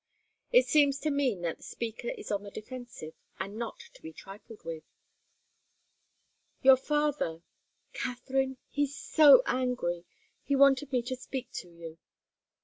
It seems to mean that the speaker is on the defensive and not to be trifled with. "Your father Katharine he's so angry! He wanted me to speak to you."